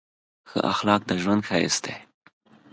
ښه اخلاق د ژوند ښایست دی.